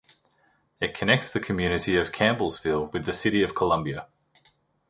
It connects the community of Campbellsville with the city of Columbia.